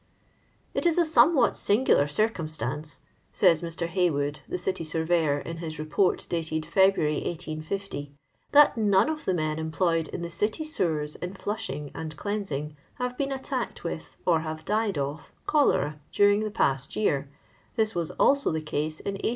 " It is a somewhat singular circumstance,*' says Mr. Haywood, the City Surveyor, in his Report, dated February, 1850, "thai none of the men employed in the Oify seircrt in fliuhing and cleoiisintj, have f'cen adacled with, or have died of, cholera during the paM year; this %cas al,<o the case in 1832 3.